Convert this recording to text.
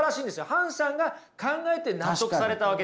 ハンさんが考えて納得されたわけですから。